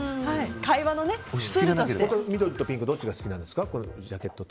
孝太郎さんは緑とピンクどっちが好きなんですか？